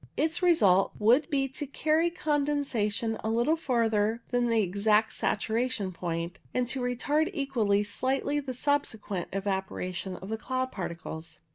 Its result would be to carry condensation a little further than the exact saturation point, and to retard equally slightly the subsequent evaporation of the cloud particles.